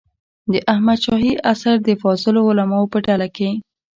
د احمد شاهي عصر د فاضلو علماوو په ډله کې.